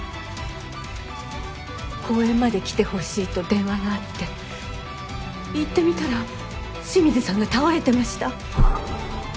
公園まで来て欲しいと電話があって行ってみたら清水さんが倒れてました。